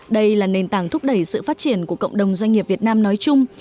đây là nền tảng thúc đẩy sự phát triển của cộng đồng doanh nghiệp việt nam nói chung